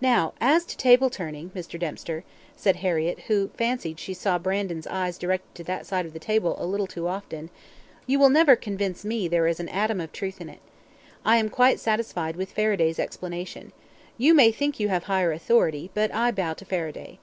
"Now, as to table turning, Mr. Dempster," said Harriett, who fancied she saw Brandon's eyes directed to that side of the table a little too often, "you will never convince me there is an atom of truth in it. I am quite satisfied with Faraday's explanation. You may think you have higher authority, but I bow to Faraday."